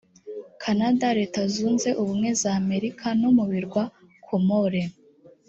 kanada leta zunze ubumwe z’amerika no mu birwa komore